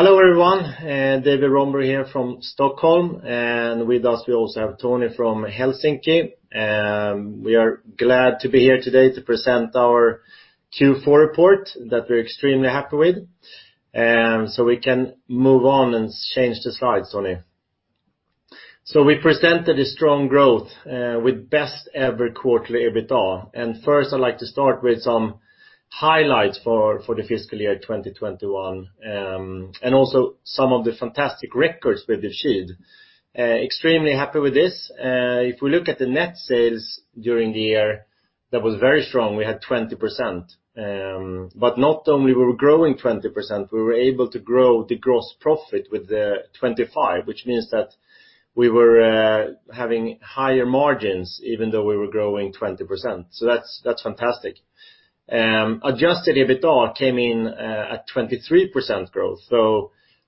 Hello, everyone. David Rönnberg here from Stockholm, and with us, we also have Toni from Helsinki. We are glad to be here today to present our Q4 report that we're extremely happy with. We can move on and change the slides, Toni. We presented a strong growth with best ever quarterly EBITDA. First, I'd like to start with some highlights for the fiscal year 2021, and also some of the fantastic records we've achieved. Extremely happy with this. If we look at the net sales during the year, that was very strong. We had 20%. But not only were we growing 20%, we were able to grow the gross profit with 25%, which means that we were having higher margins even though we were growing 20%. That's fantastic. Adjusted EBITDA came in at 23% growth.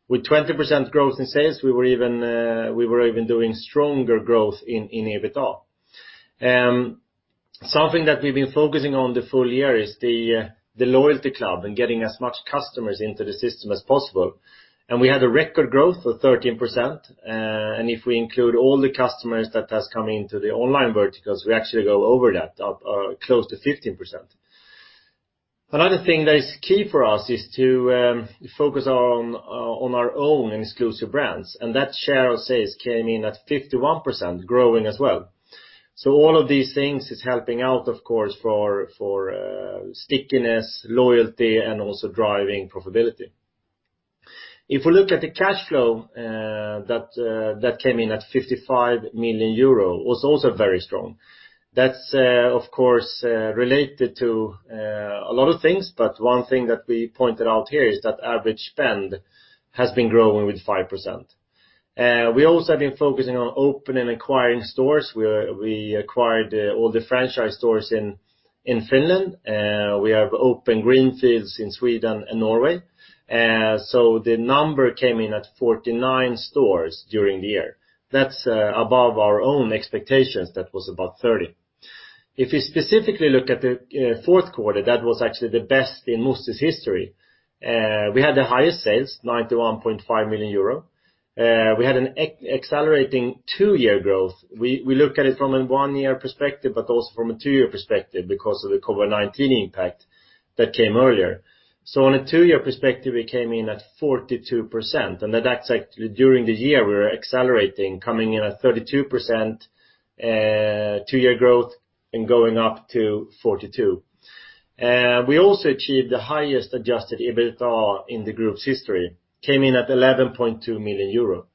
With 20% growth in sales, we were even doing stronger growth in EBITDA. Something that we've been focusing on the full year is the loyalty club and getting as much customers into the system as possible. We had a record growth of 13%. If we include all the customers that has come into the online verticals, we actually go over that, up close to 15%. Another thing that is key for us is to focus on our Own & Exclusive, and that share of sales came in at 51%, growing as well. All of these things is helping out, of course, for stickiness, loyalty, and also driving profitability. If we look at the cash flow that came in at 55 million euro, was also very strong. That's of course related to a lot of things, but one thing that we pointed out here is that average spend has been growing with 5%. We also have been focusing on opening and acquiring stores. We acquired all the franchise stores in Finland. We have opened greenfields in Sweden and Norway. The number came in at 49 stores during the year. That's above our own expectations. That was about 30. If we specifically look at the fourth quarter, that was actually the best in Musti's history. We had the highest sales, 91.5 million euro. We had an accelerating two-year growth. We look at it from a one-year perspective, but also from a two-year perspective because of the COVID-19 impact that came earlier. On a two-year perspective, we came in at 42%, and that's like during the year, we were accelerating, coming in at 32% two-year growth and going up to 42%. We also achieved the highest adjusted EBITDA in the group's history, came in at 11.2 million euro.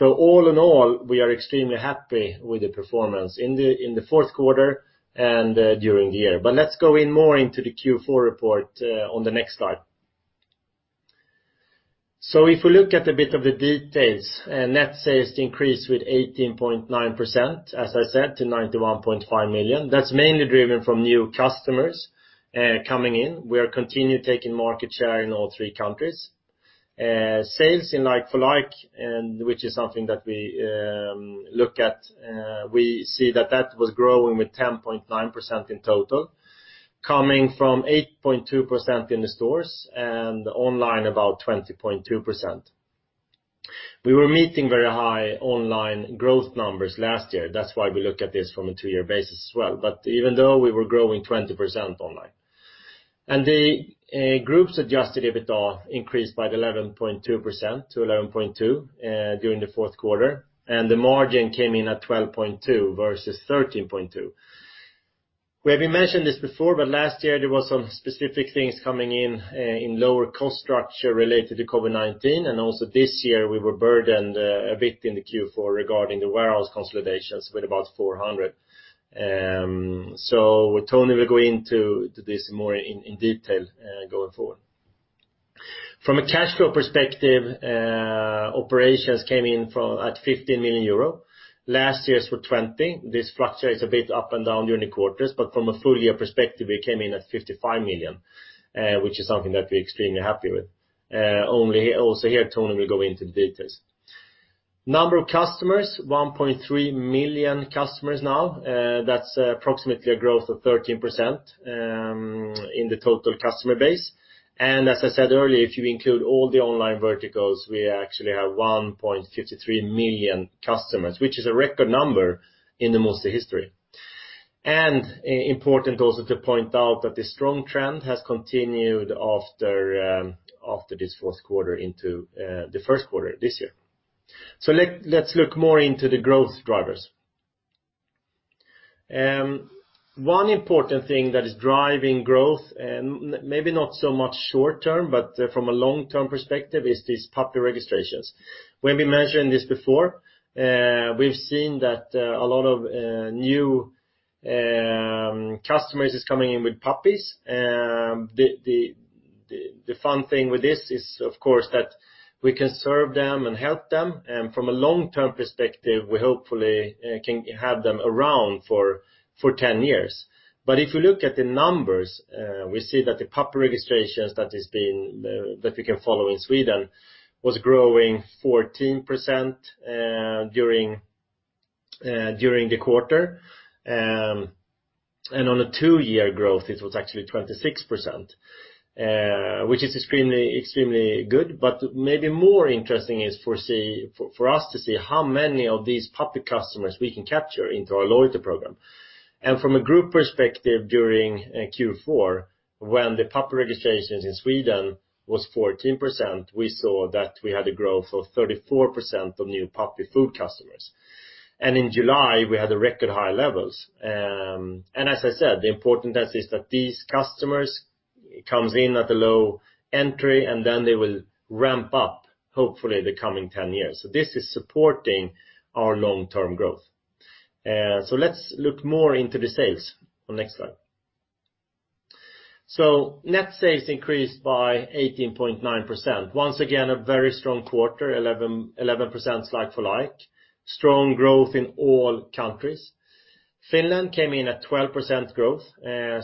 All in all, we are extremely happy with the performance in the fourth quarter and during the year. Let's go in more into the Q4 report on the next slide. If we look at a bit of the details, net sales increased with 18.9%, as I said, to 91.5 million. That's mainly driven from new customers coming in. We are continuing taking market share in all three countries. Sales in like-for-like, which is something that we look at, we see that was growing with 10.9% in total, coming from 8.2% in the stores and online about 20.2%. We were meeting very high online growth numbers last year. That's why we look at this from a two-year basis as well. Even though we were growing 20% online, the group's adjusted EBITDA increased by 11.2% to 11.2 during the fourth quarter, and the margin came in at 12.2% versus 13.2%. We have mentioned this before, but last year there was some specific things coming in in lower cost structure related to COVID-19, and also this year we were burdened a bit in the Q4 regarding the warehouse consolidations with about 400. So with Toni, we'll go into this more in detail going forward. From a cash flow perspective, operations came in at 15 million euro. Last year's were 20 million. This fluctuates a bit up and down during the quarters, but from a full year perspective, we came in at 55 million, which is something that we're extremely happy with. Also here, Toni will go into the details. Number of customers, 1.3 million customers now. That's approximately a growth of 13% in the total customer base. As I said earlier, if you include all the online verticals, we actually have 1.53 million customers, which is a record number in the Musti history. Important also to point out that the strong trend has continued after this fourth quarter into the first quarter this year. Let's look more into the growth drivers. One important thing that is driving growth, maybe not so much short term, but from a long-term perspective, is these puppy registrations. We've been mentioning this before. We've seen that a lot of new customers is coming in with puppies. The fun thing with this is, of course, that we can serve them and help them. From a long-term perspective, we hopefully can have them around for 10 years. If we look at the numbers, we see that the puppy registrations that we can follow in Sweden was growing 14% during the quarter. On a two-year growth, it was actually 26%. Which is extremely good, but maybe more interesting is for us to see how many of these puppy customers we can capture into our loyalty program. From a group perspective during Q4 when the puppy registrations in Sweden was 14%, we saw that we had a growth of 34% of new puppy food customers. In July, we had the record high levels. As I said, the important test is that these customers comes in at a low entry, and then they will ramp up hopefully the coming ten years. This is supporting our long-term growth. Let's look more into the sales on next slide. Net sales increased by 18.9%. Once again, a very strong quarter, 11% like-for-like. Strong growth in all countries. Finland came in at 12% growth,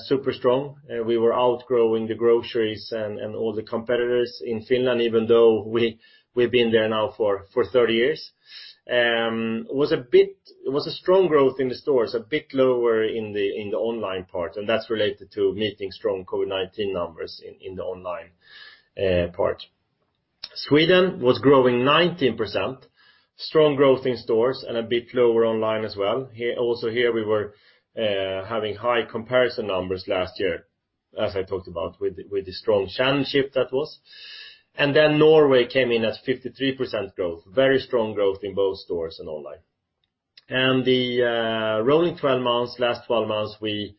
super strong. We were outgrowing the groceries and all the competitors in Finland, even though we've been there now for 30 years. It was strong growth in the stores, a bit lower in the online part, and that's related to meeting strong COVID-19 numbers in the online part. Sweden was growing 19%. Strong growth in stores and a bit lower online as well. Also here we were having high comp numbers last year, as I talked about with the strong comps that was. Then Norway came in as 53% growth. Very strong growth in both stores and online. In the rolling 12 months, last 12 months, we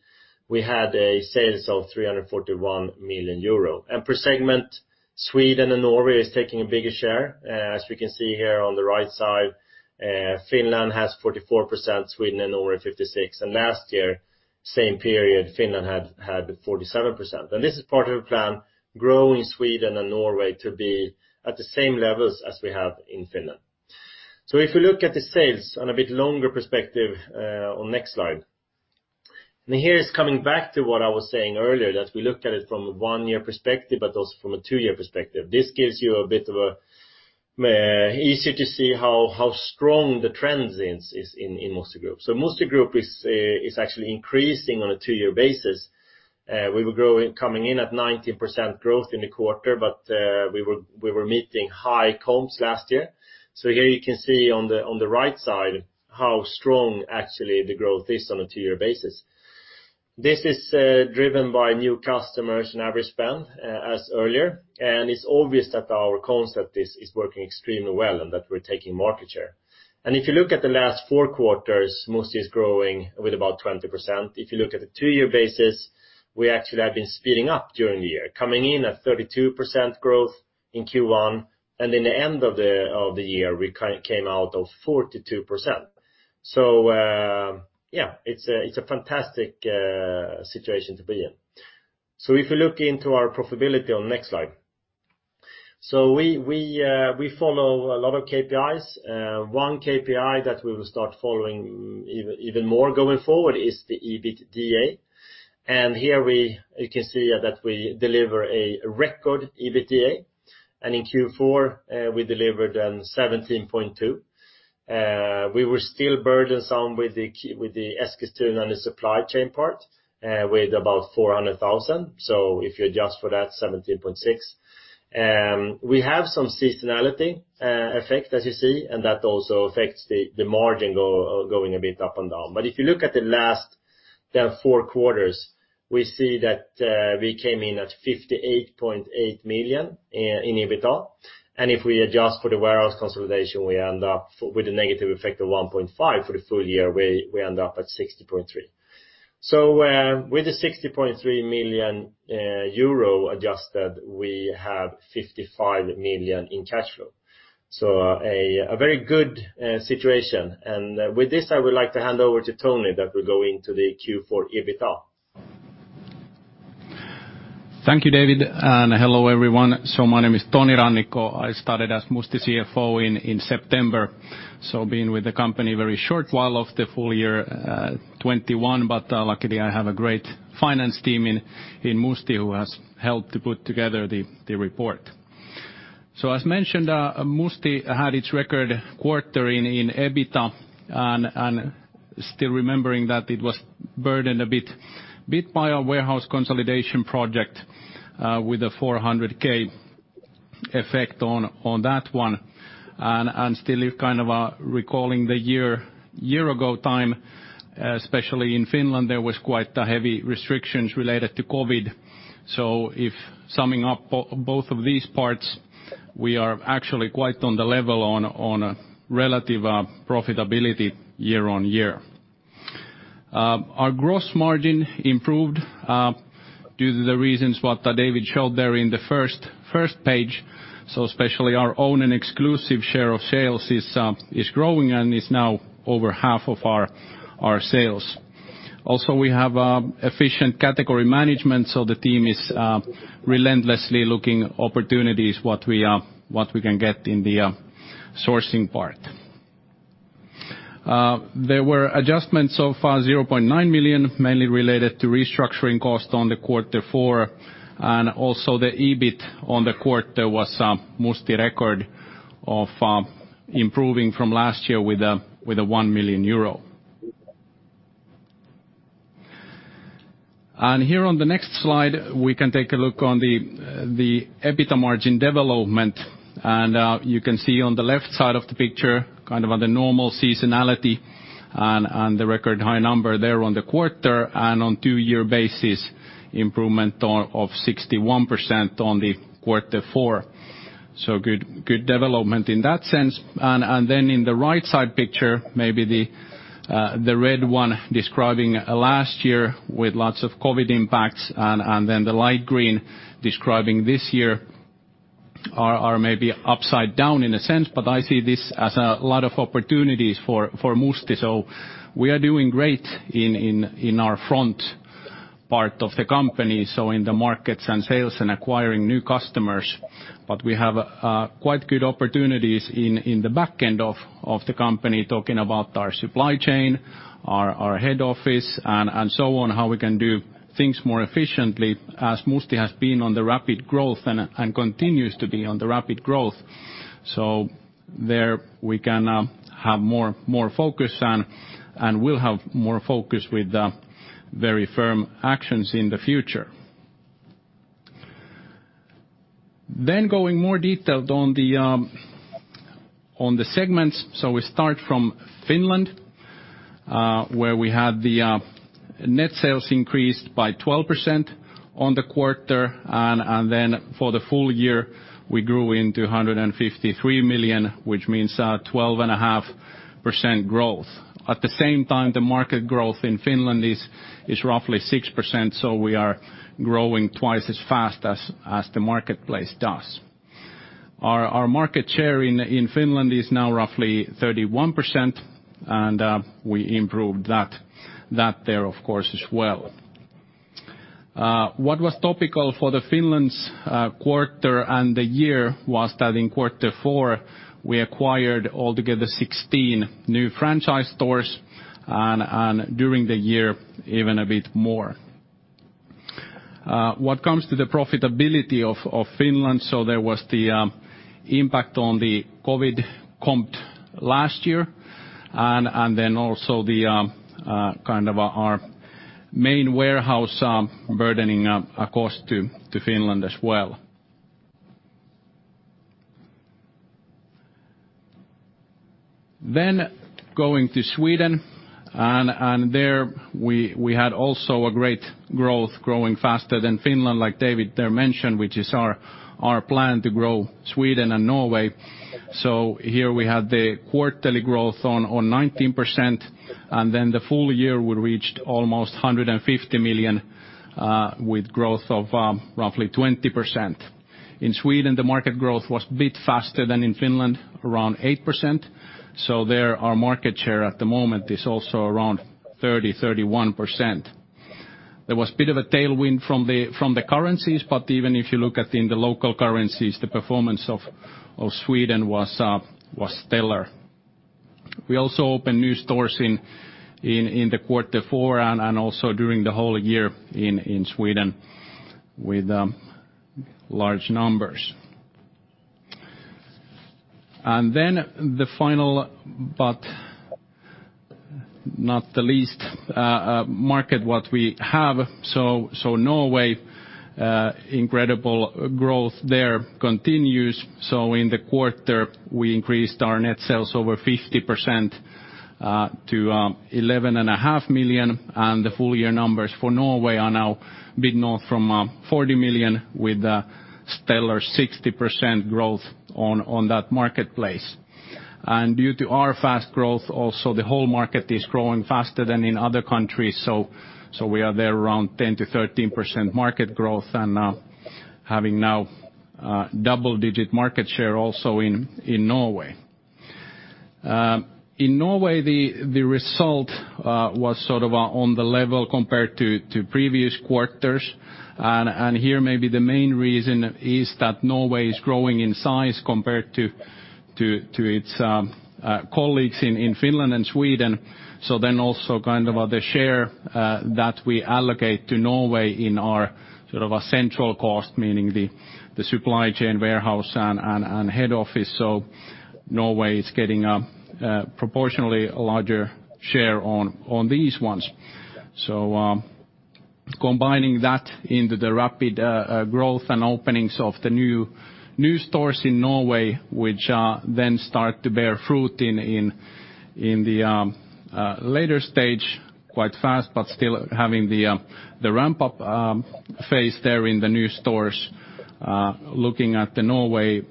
had sales of 341 million euro. Per segment, Sweden and Norway is taking a bigger share, as we can see here on the right side. Finland has 44%, Sweden and Norway 56. Last year, same period, Finland had 47%. This is part of the plan, growing Sweden and Norway to be at the same levels as we have in Finland. If you look at the sales on a bit longer perspective, on next slide. Here, coming back to what I was saying earlier, that we look at it from a one-year perspective, but also from a two-year perspective. This gives you a bit of a easier to see how strong the trends is in Musti Group. Musti Group is actually increasing on a two-year basis. We were coming in at 19% growth in the quarter, but we were meeting high comps last year. Here you can see on the right side how strong actually the growth is on a two-year basis. This is driven by new customers and average spend, as earlier. It's obvious that our concept is working extremely well and that we're taking market share. If you look at the last four quarters, Musti is growing with about 20%. If you look at the two-year basis, we actually have been speeding up during the year, coming in at 32% growth in Q1, and in the end of the year, we came out of 42%. It's a fantastic situation to be in. If you look into our profitability on next slide. We follow a lot of KPIs. One KPI that we will start following even more going forward is the EBITDA. Here you can see that we deliver a record EBITDA. In Q4, we delivered 17.2. We were still burdened some with the Eskilstuna and the supply chain part with about 400,000. If you adjust for that, 17.6%. We have some seasonality effect, as you see, and that also affects the margin going a bit up and down. If you look at the last 4 quarters, we see that we came in at 58.8 million in EBITDA. If we adjust for the warehouse consolidation, we end up with a negative effect of 1.5 for the full year, we end up at 60.3. With the 60.3 million euro adjusted, we have 55 million in cash flow. A very good situation. With this, I would like to hand over to Toni that will go into the Q4 EBITDA. Thank you, David, and hello, everyone. My name is Toni Rannikko. I started as Musti CFO in September, been with the company a very short while of the full year, 2021. Luckily, I have a great finance team in Musti who has helped to put together the report. As mentioned, Musti had its record quarter in EBITDA and still remembering that it was burdened a bit by our warehouse consolidation project with a 400,000 effect on that one. Still kind of recalling the year ago time, especially in Finland, there was quite heavy restrictions related to COVID. If summing up both of these parts, we are actually quite on the level on a relative profitability year-over-year. Our gross margin improved due to the reasons what David showed there in the first page. Especially our Own & Exclusive share of sales is growing and is now over half of our sales. We have efficient category management, so the team is relentlessly looking opportunities what we can get in the sourcing part. There were adjustments of 0.9 million, mainly related to restructuring costs on the quarter four. Also the EBIT on the quarter was Musti record of improving from last year with a 1 million euro. Here on the next slide, we can take a look on the EBITDA margin development. You can see on the left side of the picture, kind of on the normal seasonality and the record high number there on the quarter, and on two-year basis, improvement of 61% on quarter four. Good development in that sense. Then in the right side picture, maybe the red one describing last year with lots of COVID impacts and then the light green describing this year are maybe upside down in a sense, but I see this as a lot of opportunities for Musti. We are doing great in our front part of the company, so in the markets and sales and acquiring new customers. We have quite good opportunities in the back end of the company, talking about our supply chain, our head office, and so on, how we can do things more efficiently as Musti has been on the rapid growth and continues to be on the rapid growth. There we can have more focus and will have more focus with very firm actions in the future. Going into more detail on the segments. We start from Finland, where we had the net sales increased by 12% in the quarter. Then for the full year, we grew to 153 million, which means 12.5% growth. At the same time, the market growth in Finland is roughly 6%, so we are growing twice as fast as the marketplace does. Our market share in Finland is now roughly 31%, and we improved that there, of course, as well. What was topical for Finland's quarter and the year was that in quarter four, we acquired altogether 16 new franchise stores and during the year, even a bit more. What comes to the profitability of Finland, so there was the impact on the COVID-19 comp last year and then also the kind of our main warehouse burdening cost to Finland as well. Going to Sweden, and there we had also a great growth growing faster than Finland, like David there mentioned, which is our plan to grow Sweden and Norway. Here we have the quarterly growth on 19%, and then the full year, we reached almost 150 million with growth of roughly 20%. In Sweden, the market growth was a bit faster than in Finland, around 8%. There our market share at the moment is also around 30-31%. There was a bit of a tailwind from the currencies, but even if you look at in the local currencies, the performance of Sweden was stellar. We also opened new stores in quarter four and also during the whole year in Sweden with large numbers. The final but not least market we have, Norway, incredible growth there continues. In the quarter, we increased our net sales over 50% to 11.5 million, and the full year numbers for Norway are now a bit north of 40 million with a stellar 60% growth on that marketplace. Due to our fast growth, also the whole market is growing faster than in other countries. We are there around 10%-13% market growth and having now double-digit market share also in Norway. In Norway, the result was sort of on the level compared to previous quarters. Here may be the main reason is that Norway is growing in size compared to its colleagues in Finland and Sweden. Then also kind of the share that we allocate to Norway in our sort of a central cost, meaning the supply chain warehouse and head office. Norway is getting a proportionally larger share on these ones. Combining that into the rapid growth and openings of the new stores in Norway, which then start to bear fruit in the later stage, quite fast, but still having the ramp-up phase there in the new stores. Looking at Norway,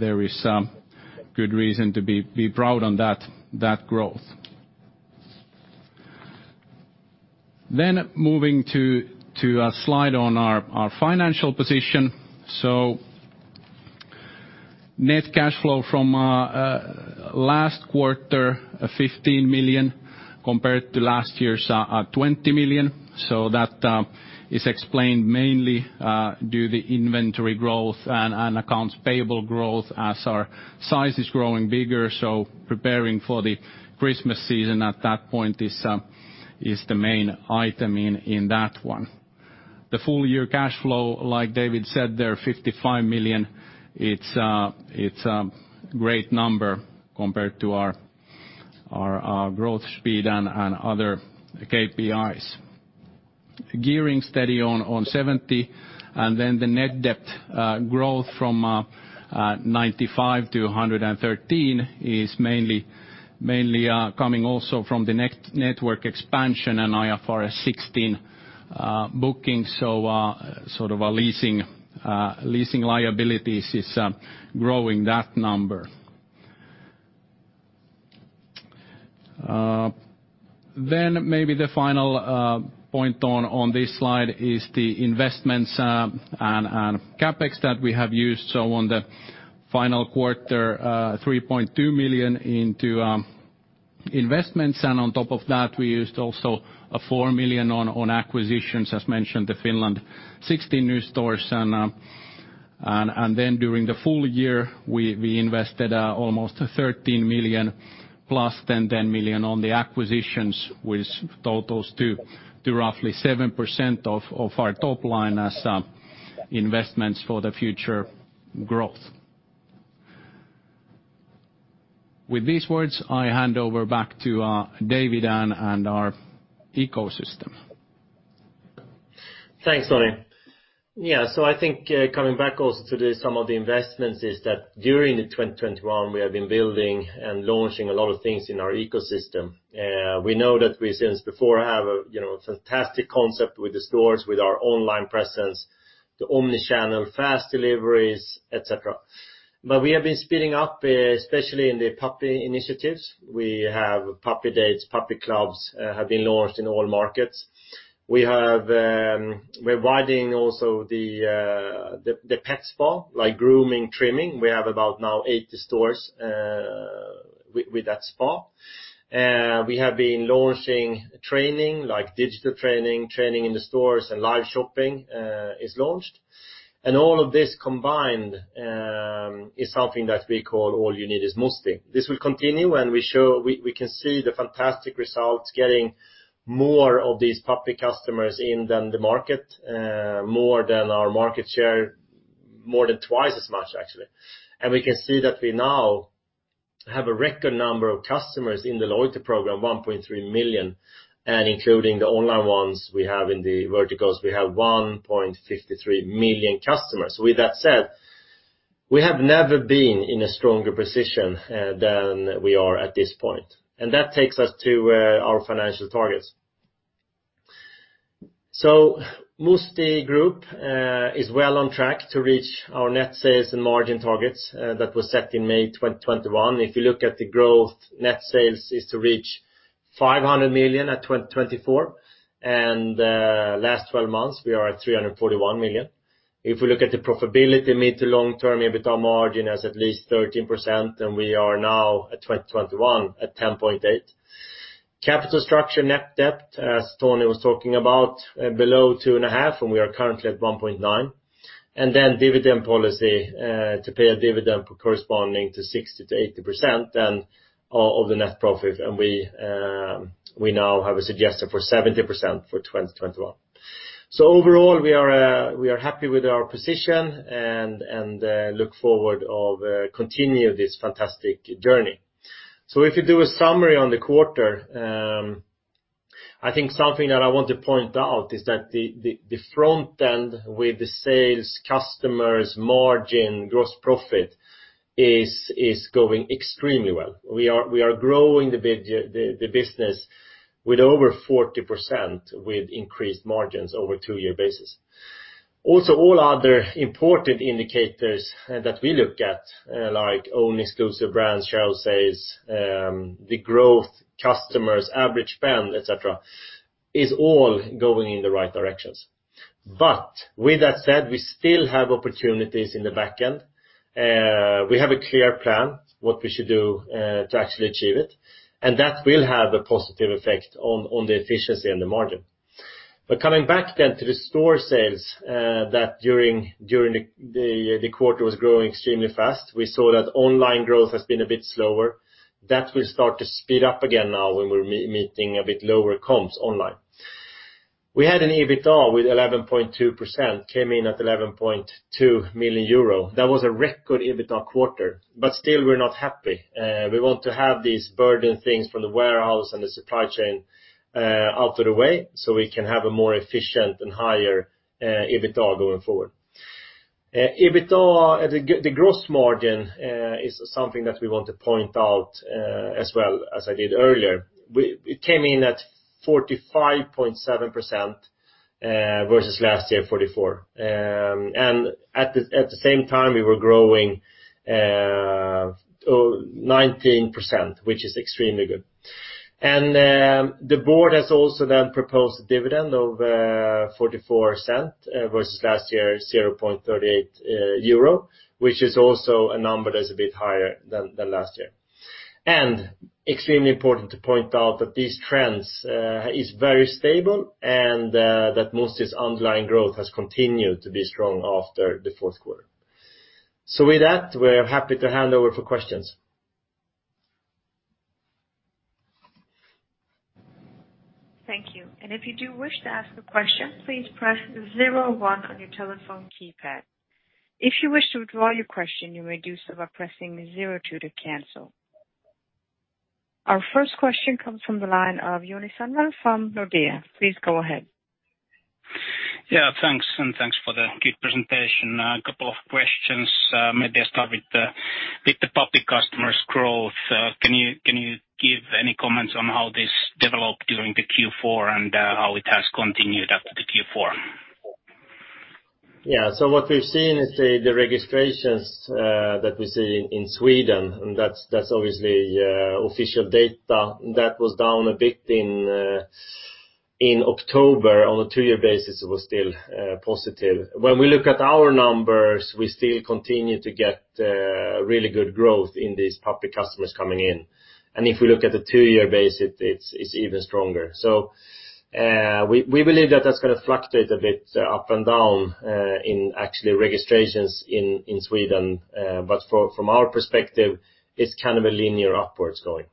there is good reason to be proud on that growth. Moving to a slide on our financial position. Net cash flow from last quarter 15 million compared to last year's 20 million. That is explained mainly due to the inventory growth and accounts payable growth as our size is growing bigger. Preparing for the Christmas season at that point is the main item in that one. The full year cash flow, like David said there, 55 million. It's a great number compared to our growth speed and other KPIs. Gearing steady on 70%. The net debt growth from 95 million to 113 million is mainly coming also from the network expansion and IFRS 16 booking. Sort of our leasing liabilities is growing that number. Maybe the final point on this slide is the investments and CapEx that we have used. On the final quarter, 3.2 million into investments. On top of that, we used also 4 million on acquisitions. As mentioned, in Finland 60 new stores and then during the full year, we invested almost 13 million plus and then 4 million on the acquisitions, which totals to roughly 7% of our top line as investments for the future growth. With these words, I hand over back to David and our ecosystem. Thanks, Toni. Yeah. I think, coming back also to some of the investments is that during 2021, we have been building and launching a lot of things in our ecosystem. We know that we since before have a, you know, fantastic concept with the stores, with our online presence, the omni-channel, fast deliveries, et cetera. We have been speeding up, especially in the puppy initiatives. We have puppy dates, puppy clubs have been launched in all markets. We're widening also the pet spa, like grooming, trimming. We have about now 80 stores with that spa. We have been launching training, like digital training in the stores, and live shopping is launched. All of this combined is something that we call All You Need is Musti. This will continue, we can see the fantastic results getting more of these puppy customers in than the market, more than our market share, more than twice as much, actually. We can see that we now have a record number of customers in the loyalty program, 1.3 million, and including the online ones we have in the verticals, we have 1.53 million customers. With that said, we have never been in a stronger position than we are at this point, and that takes us to our financial targets. Musti Group is well on track to reach our net sales and margin targets that was set in May 2021. If you look at the growth, net sales is to reach 500 million at 2024. Last twelve months, we are at 341 million. If we look at the profitability mid to long term, EBITDA margin has at least 13%, and we are now at 2021 at 10.8%. Capital structure net debt, as Toni was talking about, below 2.5, and we are currently at 1.9. Dividend policy to pay a dividend corresponding to 60%-80% of the net profit, and we now have a suggestion for 70% for 2021. Overall, we are happy with our position and look forward to continue this fantastic journey. If you do a summary on the quarter, I think something that I want to point out is that the front end with the sales, customers, margin, gross profit is going extremely well. We are growing the business with over 40% with increased margins over two-year basis. Also, all other important indicators that we look at, like Own & Exclusive brands, share of sales, the growth, customers, average spend, et cetera, is all going in the right directions. With that said, we still have opportunities in the back end. We have a clear plan, what we should do, to actually achieve it, and that will have a positive effect on the efficiency and the margin. Coming back then to the store sales, that during the quarter was growing extremely fast. We saw that online growth has been a bit slower. That will start to speed up again now when we're meeting a bit lower comps online. We had an EBITDA with 11.2%, came in at 11.2 million euro. That was a record EBITDA quarter, but still we're not happy. We want to have these burden things from the warehouse and the supply chain out of the way so we can have a more efficient and higher EBITDA going forward. EBITDA, the gross margin, is something that we want to point out, as well as I did earlier. It came in at 45.7%, versus last year, 44%. At the same time, we were growing 19%, which is extremely good. The board has also then proposed a dividend of 0.44 versus last year 0.38 euro, which is also a number that's a bit higher than last year. Extremely important to point out that these trends is very stable and that Musti's underlying growth has continued to be strong after the fourth quarter. With that, we're happy to hand over for questions. Thank you. If you do wish to ask a question, please press zero one on your telephone keypad. If you wish to withdraw your question, you may do so by pressing zero two to cancel. Our first question comes from the line of Joni Sundelin from Nordea. Please go ahead. Yeah, thanks. Thanks for the good presentation. A couple of questions. Maybe I start with the puppy customers growth. Can you give any comments on how this developed during the Q4 and how it has continued after the Q4? Yeah. What we've seen is the registrations that we see in Sweden, and that's obviously official data that was down a bit in October. On a two-year basis it was still positive. When we look at our numbers, we still continue to get really good growth in these puppy customers coming in. If we look at the two-year base, it's even stronger. We believe that that's gonna fluctuate a bit up and down in actually registrations in Sweden. From our perspective, it's kind of a linear upwards going.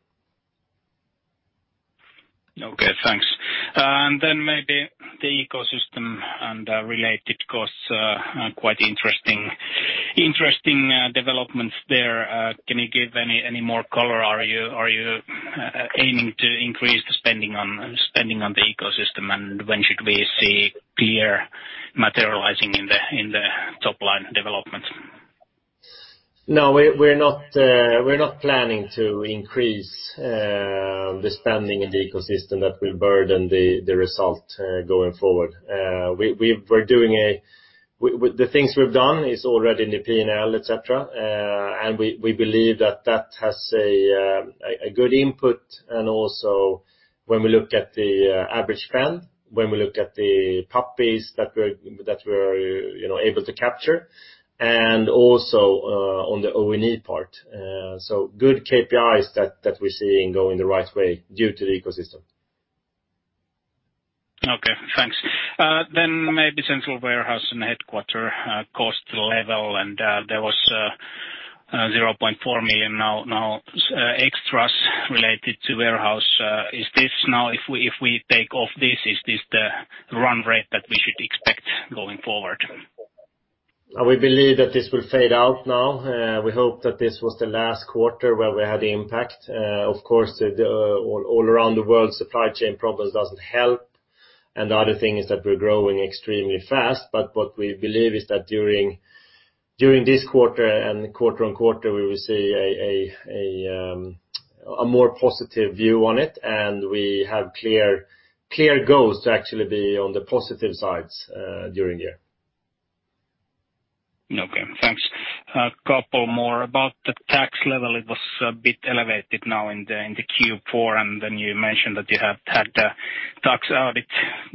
Okay, thanks. Maybe the ecosystem and related costs are quite interesting developments there. Can you give any more color? Are you aiming to increase the spending on the ecosystem? And when should we see clear materializing in the top line development? No. We're not planning to increase the spending in the ecosystem that will burden the result going forward. The things we've done are already in the P&L, et cetera. We believe that has a good input and also when we look at the average spend, when we look at the puppies that we're you know able to capture, and also on the O&E part. Good KPIs that we're seeing going the right way due to the ecosystem. Okay, thanks. Maybe central warehouse and headquarters cost level. There was 0.4 million now extras related to warehouse. Is this now, if we take off this, the run rate that we should expect going forward? We believe that this will fade out now. We hope that this was the last quarter where we had the impact. Of course the all around the world supply chain problems doesn't help. The other thing is that we're growing extremely fast. What we believe is that during this quarter and quarter on quarter, we will see a more positive view on it. We have clear goals to actually be on the positive sides during the year. Okay, thanks. A couple more. About the tax level, it was a bit elevated now in the Q4, and then you mentioned that you have had a tax audit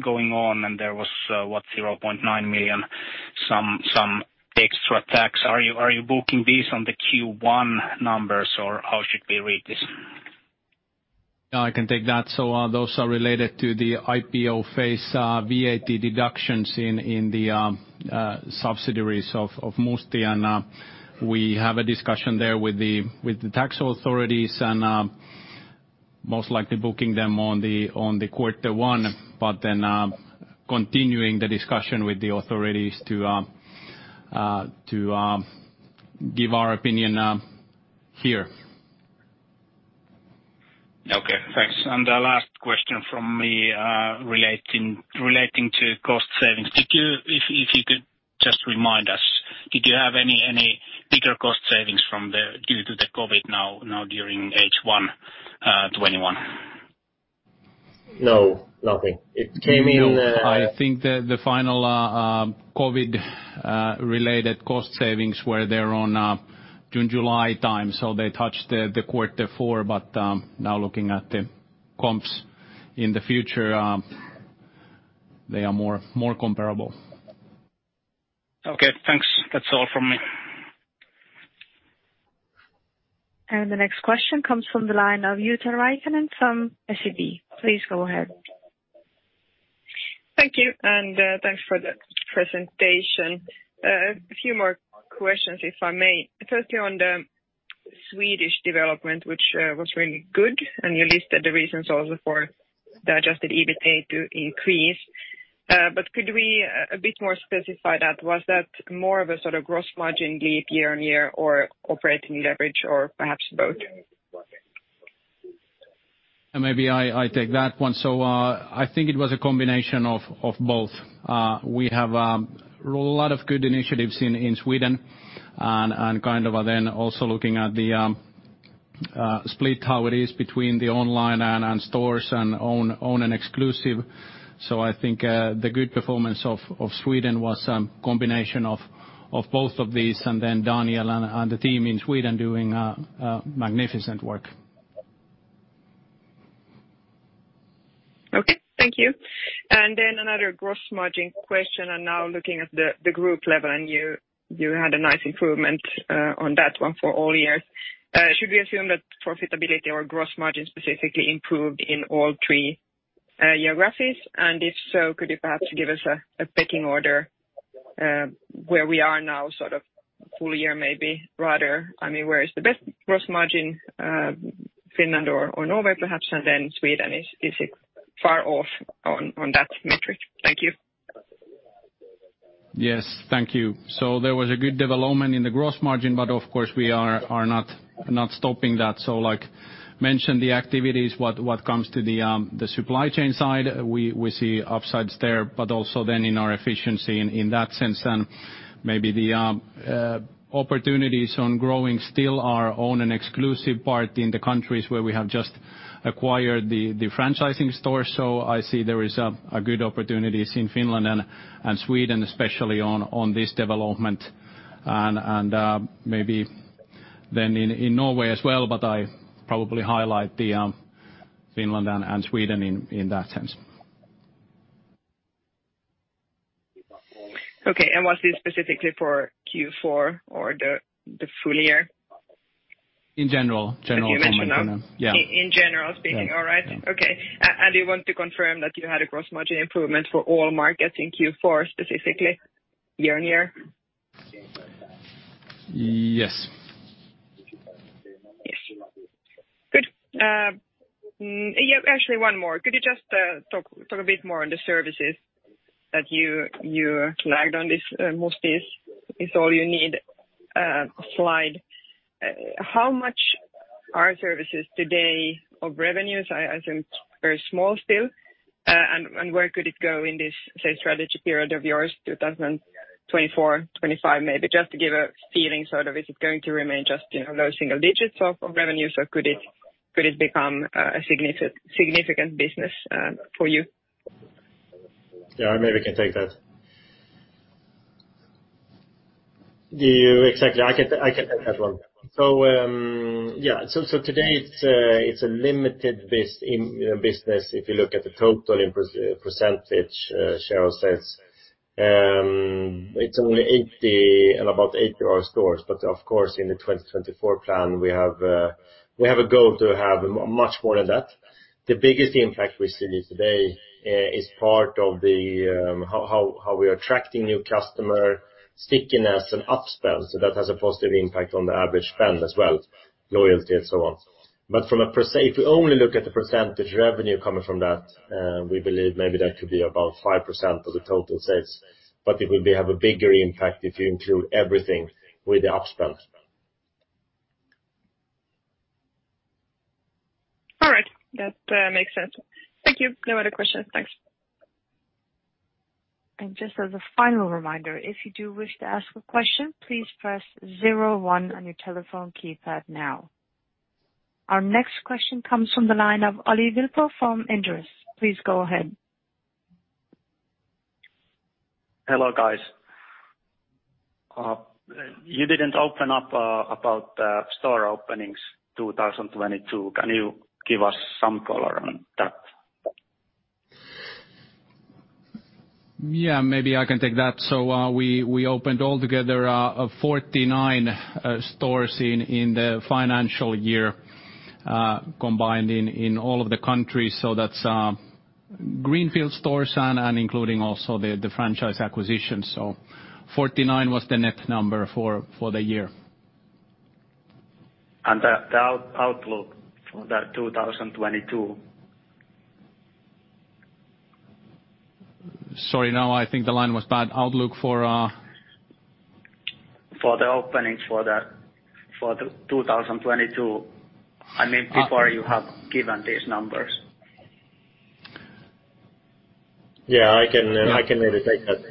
going on, and there was what? 0.9 million some extra tax. Are you booking these on the Q1 numbers, or how should we read this? Yeah, I can take that. Those are related to the IPO phase, VAT deductions in the subsidiaries of Musti. We have a discussion there with the tax authorities and most likely booking them on the quarter one, continuing the discussion with the authorities to give our opinion here. Okay, thanks. The last question from me, relating to cost savings. If you could just remind us, did you have any bigger cost savings due to the COVID now during H1 2021? No, nothing. It came in, No. I think the final COVID related cost savings were there on June, July time. They touched the quarter four. Now looking at the comps in the future, they are more comparable. Okay, thanks. That's all from me. The next question comes from the line of Juha Räikkönen from SEB. Please go ahead. Thank you. Thanks for the presentation. A few more questions, if I may. Firstly, on the Swedish development, which was really good, and you listed the reasons also for the adjusted EBITDA to increase. Could we a bit more specify that? Was that more of a sort of gross margin leap year-over-year, or operating leverage, or perhaps both? Maybe I take that one. I think it was a combination of both. We have a lot of good initiatives in Sweden and kind of then also looking at the split, how it is between the online and stores and Own and Exclusive. I think the good performance of Sweden was a combination of both of these, and then Daniel and the team in Sweden doing magnificent work. Okay, thank you. Another gross margin question. Now looking at the group level, you had a nice improvement on that one for all years. Should we assume that profitability or gross margin specifically improved in all three geographies? If so, could you perhaps give us a pecking order? Where we are now, sort of full year. I mean, where is the best gross margin, Finland or Norway perhaps, and then Sweden? Is it far off on that metric? Thank you. Yes. Thank you. There was a good development in the gross margin, but of course, we are not stopping that. Like mentioned the activities what comes to the supply chain side. We see upsides there, but also then in our efficiency in that sense, and maybe the opportunities on growing still our Own and Exclusive part in the countries where we have just acquired the franchising store. I see there is a good opportunities in Finland and Sweden, especially on this development and maybe then in Norway as well. I probably highlight the Finland and Sweden in that sense. Okay. Was this specifically for Q4 or the full year? In general, comment. You mentioned now. Yeah. All right. Yeah. You want to confirm that you had a gross margin improvement for all markets in Q4, specifically year-on-year? Yes. Yes. Good. Yeah, actually, one more. Could you just talk a bit more on the services that you lagged on this Musti is all you need slide? How much are services today of revenues? I assume very small still. Where could it go in this, say, strategy period of yours, 2024, 2025, maybe just to give a feeling sort of is it going to remain just, you know, low single digits of revenues, or could it become a significant business for you? Yeah, maybe I can take that. Exactly. I can take that one. Today it's a limited business if you look at the total in percentage share of sales. It's only in about 80 of our stores. Of course, in the 2024 plan, we have a goal to have much more than that. The biggest impact we see today is part of how we are attracting new customers, stickiness and upspend. That has a positive impact on the average spend as well, loyalty and so on. If we only look at the percentage of revenue coming from that, we believe maybe that could be about 5% of the total sales. It will have a bigger impact if you include everything with the upspend. All right. That makes sense. Thank you. No other questions. Thanks. Just as a final reminder, if you do wish to ask a question, please press zero one on your telephone keypad now. Our next question comes from the line of Olli Vilppo from Inderes. Please go ahead. Hello, guys. You didn't open up about the store openings 2022. Can you give us some color on that? Yeah, maybe I can take that. We opened altogether 49 stores in the financial year combined in all of the countries. That's greenfield stores and including also the franchise acquisitions. 49 was the net number for the year. And the out-outlook for the two thousand twenty-two? Sorry. Now I think the line was bad. Outlook for? For the openings for 2022. I mean, before you have given these numbers. Yeah, I can maybe take that.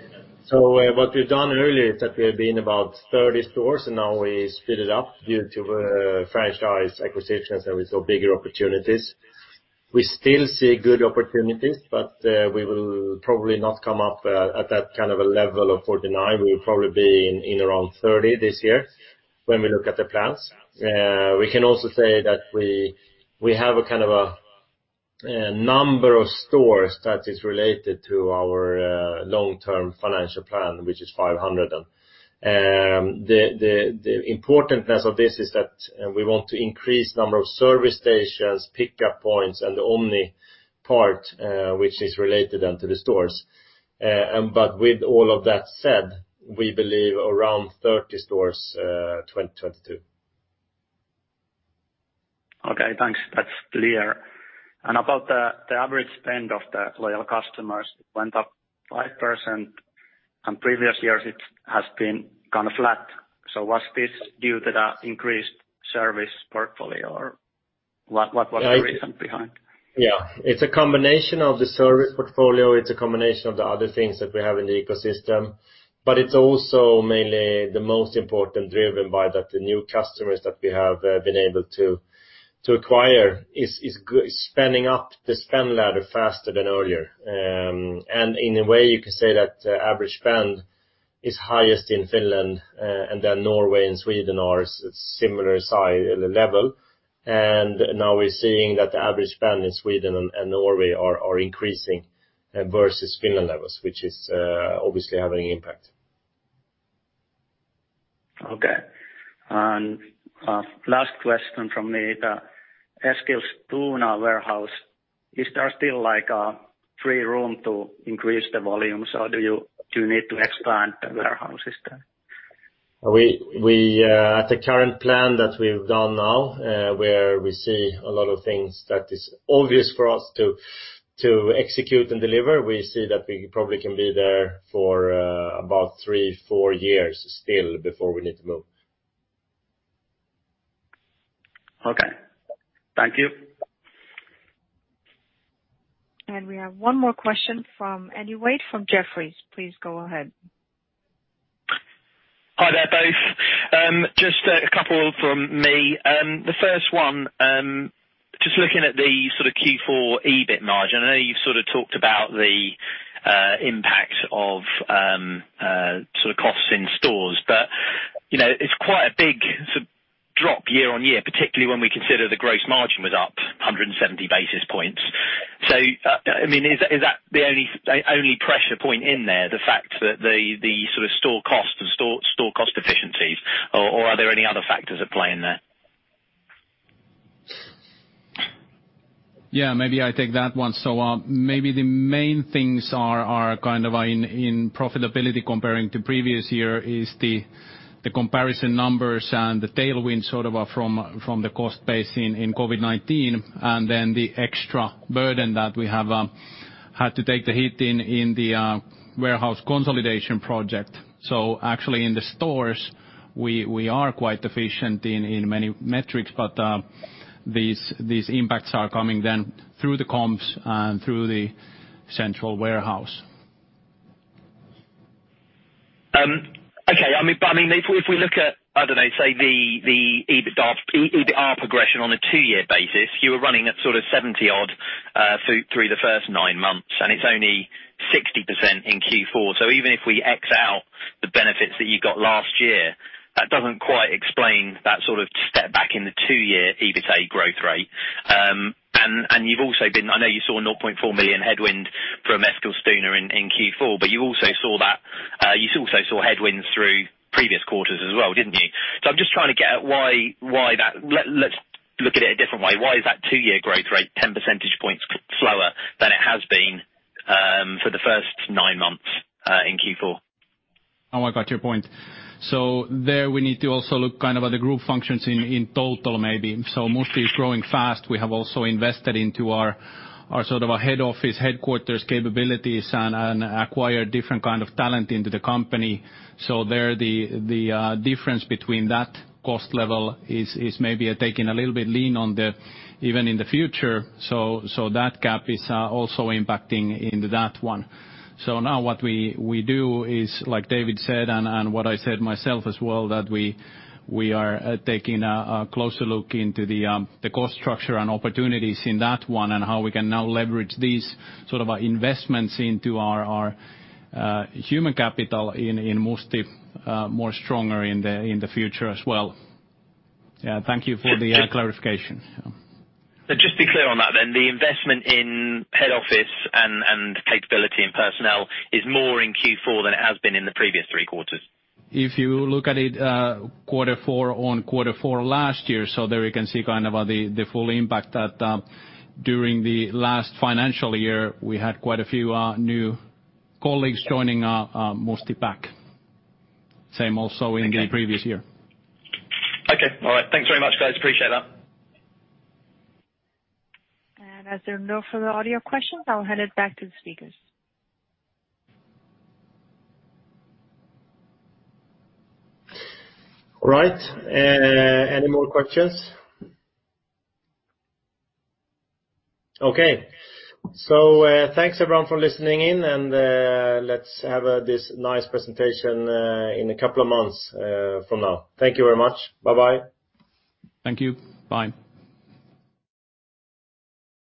What we've done earlier is that we've been about 30 stores, and now we speed it up due to franchise acquisitions, and we saw bigger opportunities. We still see good opportunities, but we will probably not come up at that kind of a level of 49. We will probably be in around 30 this year when we look at the plans. We can also say that we have a kind of number of stores that is related to our long-term financial plan, which is 500. The importance of this is that we want to increase number of service stations, pickup points, and the omni part, which is related then to the stores. With all of that said, we believe around 30 stores, 2022. Okay, thanks. That's clear. About the average spend of the loyal customers, it went up 5%. In previous years it has been kind of flat. Was this due to the increased service portfolio or what was the reason behind? Yeah. It's a combination of the service portfolio. It's a combination of the other things that we have in the ecosystem. It's also mainly the most important driven by that the new customers that we have been able to acquire is spending up the spend ladder faster than earlier. In a way, you could say that the average spend is highest in Finland, and then Norway and Sweden are similar level. Now we're seeing that the average spend in Sweden and Norway are increasing versus Finland levels, which is obviously having impact. Okay. Last question from me. The Eskilstuna warehouse, is there still like a free room to increase the volumes or do you need to expand the warehouse system? We at the current plan that we've done now, where we see a lot of things that is obvious for us to execute and deliver, we see that we probably can be there for about 3-4 years still before we need to move. Okay. Thank you. We have one more question from Andrew Wade from Jefferies. Please go ahead. Hi there, both. Just a couple from me. The first one, just looking at the sort of Q4 EBIT margin. I know you've sort of talked about the impact of sort of costs in stores. You know, it's quite a big drop year-over-year, particularly when we consider the gross margin was up 170 basis points. I mean, is that the only pressure point in there, the fact that the sort of store costs and store cost efficiencies, or are there any other factors at play in there? Yeah, maybe I take that one. Maybe the main things are kind of in profitability comparing to previous year is the comparison numbers and the tailwind sort of from the cost base in COVID-19, and then the extra burden that we have had to take the hit in the warehouse consolidation project. Actually in the stores, we are quite efficient in many metrics, but these impacts are coming then through the comps and through the central warehouse. Okay. I mean, if we look at, I don't know, say the EBITDA progression on a two-year basis, you were running at sort of 70-odd% through the first nine months, and it's only 60% in Q4. Even if we X out the benefits that you got last year, that doesn't quite explain that sort of step back in the two-year EBITDA growth rate. And you've also been. I know you saw 0.4 million headwind from Eskilstuna in Q4, but you also saw headwinds through previous quarters as well, didn't you? I'm just trying to get at why that. Let's look at it a different way. Why is that two-year growth rate 10 percentage points slower than it has been for the first 9 months in Q4? Oh, I got your point. There, we need to also look kind of at the group functions in total, maybe. Musti is growing fast. We have also invested into our sort of a head office headquarters capabilities and acquired different kind of talent into the company. There, the difference between that cost level is maybe a little bit leaner even in the future. That gap is also impacting into that one. Now what we do is, like David said, and what I said myself as well, that we are taking a closer look into the cost structure and opportunities in that one and how we can now leverage these sort of investments into our human capital in Musti more stronger in the future as well. Yeah, thank you for the clarification. Yeah. Just to be clear on that then. The investment in head office and capability and personnel is more in Q4 than it has been in the previous three quarters. If you look at it, quarter four on quarter four last year, so there you can see kind of the full impact that during the last financial year, we had quite a few new colleagues joining Musti pack. Same also in the previous year. Okay. All right. Thanks very much, guys. Appreciate that. As there are no further audio questions, I'll hand it back to the speakers. All right. Any more questions? Okay. Thanks, everyone, for listening in, and let's have this nice presentation in a couple of months from now. Thank you very much. Bye-bye. Thank you. Bye.